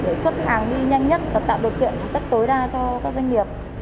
để xuất hàng đi nhanh nhất và tạo được tiện tức tối đa cho các doanh nghiệp